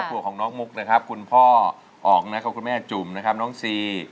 ขวบของน้องมุกนะครับคุณพ่ออ๋องนะครับคุณแม่จุ่มนะครับน้องซี